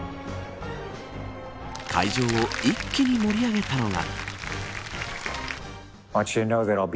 会場を一気に盛り上げたのが。